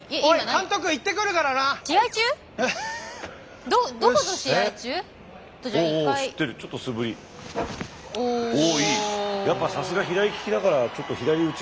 やっぱさすが左利きだからちょっと左打ちはいいね。